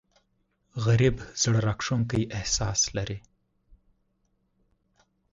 غریب د زړه راښکونکی احساس لري